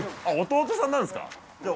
弟さんなんですか？